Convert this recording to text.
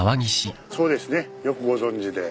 そうですね。よくご存じで。